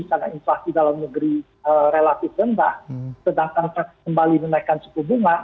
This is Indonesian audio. karena inflasi dalam negeri relatif rendah sedangkan set kembali menaikkan suku bunga